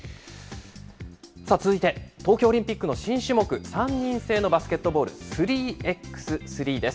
さあ続いて、東京オリンピックの新種目、３人制のバスケットボール、３ｘ３です。